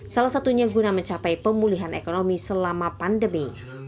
salah satunya guna mencapai pemulihan ekonomi selama pandemi